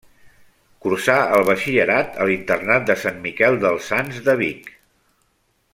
Cursà el batxillerat a l'internat de Sant Miquel dels Sants de Vic.